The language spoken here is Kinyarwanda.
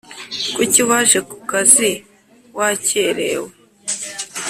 Kuki waje ku kazi wakererewe